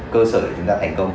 cơ sở để chúng ta thành công